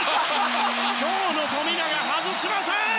今日の富永、外しません！